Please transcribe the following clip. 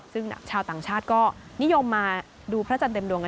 ซึ่งชาวต่างชาติก็นิยมมาดูพระจันทร์เต็มดวง